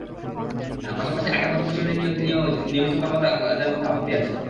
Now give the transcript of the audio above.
পাশাপাশি আগের মতো প্রেষণে নিয়োগ নিয়েও নিয়মিত কর্মকর্তাদের মধ্যে আপত্তি আছে।